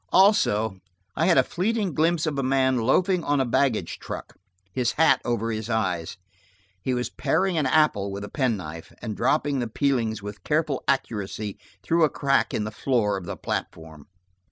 Also, I had a fleeting glimpse of a man loafing on a baggage truck, his hat over his eyes. He was paring an apple with a penknife, and dropping the peelings with careful accuracy through a crack in the floor of the platform.